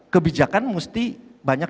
kebijakan mesti banyak